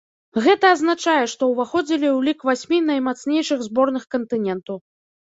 Гэта азначае, што ўваходзілі ў лік васьмі наймацнейшых зборных кантыненту.